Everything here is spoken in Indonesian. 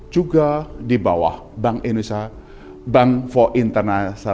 juga di bawah bank indonesia bank for internasional